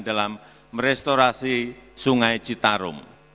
dalam merestorasi sungai citarum